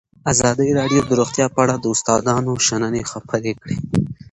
ازادي راډیو د روغتیا په اړه د استادانو شننې خپرې کړي.